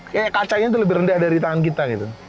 kayak kacanya itu lebih rendah dari tangan kita gitu